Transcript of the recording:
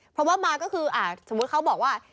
เพราะว่ามาก็คือสมมุติเขาบอกว่า